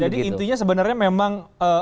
jadi intinya sebenarnya memang